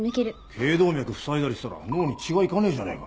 頸動脈ふさいだりしたら脳に血が行かねえじゃねえか。